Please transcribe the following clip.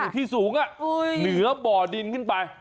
ที่สูงเหนือบ่อดินขึ้นไป